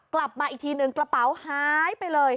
กลับมาอีกทีหนึ่งกระเป๋าหายไปเลย